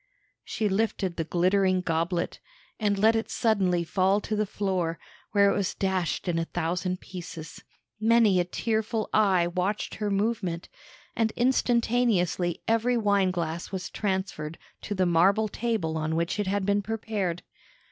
She lifted the glittering goblet, and let it suddenly fall to the floor, where it was dashed in a thousand pieces. Many a tearful eye watched her movement, and instantaneously every wine glass was transferred to the marble table on which it had been prepared.